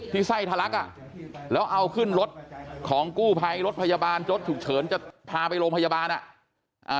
ไส้ทะลักอ่ะแล้วเอาขึ้นรถของกู้ภัยรถพยาบาลรถฉุกเฉินจะพาไปโรงพยาบาลอ่ะอ่า